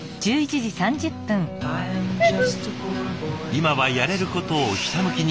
今はやれることをひたむきに。